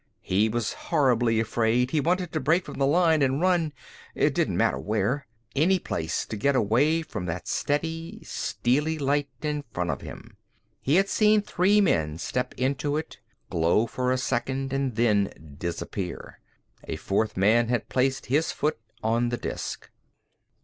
He was horribly afraid, he wanted to break from the line and run, it didn't matter where, any place to get away from that steady, steely light in front of him. He had seen three men step into it, glow for a second, and then disappear. A fourth man had placed his foot on the disk.